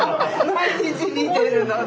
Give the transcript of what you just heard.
毎日見てるので。